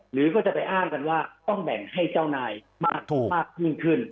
หรือก็จะไปอ้างกันว่าต้องแบ่งให้เจ้านายมากยิ่งขึ้น